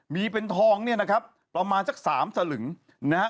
มีเป็นทองเนี่ยนะครับประมาณสักสามสลึงนะฮะ